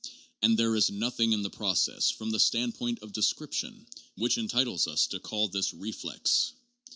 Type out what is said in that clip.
And there is nothing in the process, from the standpoint of description, which entitles us to call this reflex.